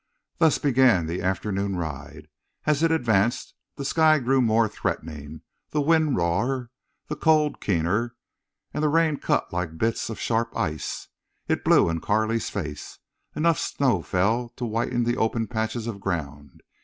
Thus began the afternoon ride. As it advanced the sky grew more threatening, the wind rawer, the cold keener, and the rain cut like little bits of sharp ice. It blew in Carley's face. Enough snow fell to whiten the open patches of ground.